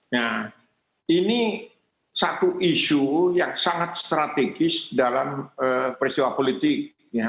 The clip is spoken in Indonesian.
nah ini satu isu yang sangat strategis dalam peristiwa politik